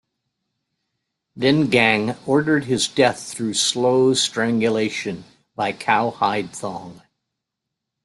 Dingane ordered his death through slow strangulation by cow hide thong.